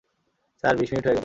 Sir, বিশ minute হয়ে গেল।